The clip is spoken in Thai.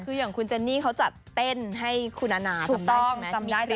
คืออย่างคุณเจนี่เขาจัดเต้นให้คุณนานาจำได้ใช่ไหม